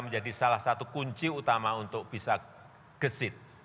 menjadi salah satu kunci utama untuk bisa gesit